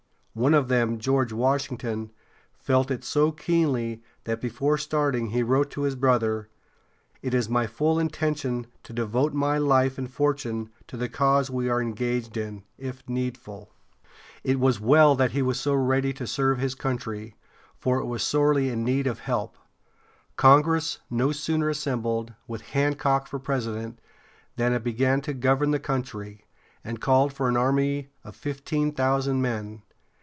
One of them, George Washington, felt it so keenly that before starting he wrote to his brother: "It is my full intention to devote my life and fortune to the cause we are engaged in, if needful." It was well that he was so ready to serve his country, for it was sorely in need of help. Congress no sooner assembled, with Hancock for president, than it began to govern the country, and called for an army of fifteen thousand men.